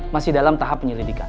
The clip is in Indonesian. masih dalam tahap penyelidikan